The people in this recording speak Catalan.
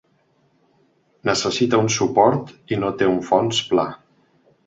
Necessita un suport i no té un fons pla.